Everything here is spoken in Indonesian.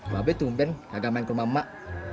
bapak itu ben kagak main ke rumah emak